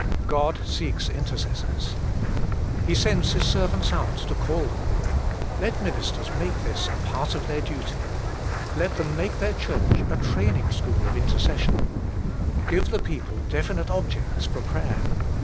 God seeks intercessors. He sends His servants out to call them. Let ministers make this a part of their duty. Let them make their church a train ing school of intercession. Give the people definite objects for prayer.